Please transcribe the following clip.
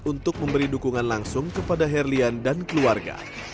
untuk memberi dukungan langsung kepada herlian dan keluarga